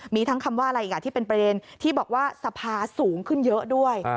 มีทั้งคำว่าอะไรอีกที่เป็นประเด็นที่บอกว่าสภาสูงขึ้นเยอะด้วย